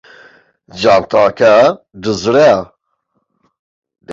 جانتاکە دزرا.